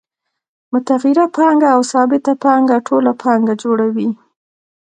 متغیره پانګه او ثابته پانګه ټوله پانګه جوړوي